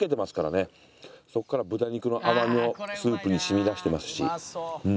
そこから豚肉の甘みもスープに染み出してますし。